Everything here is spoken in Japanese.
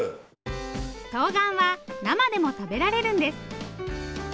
とうがんは生でも食べられるんです。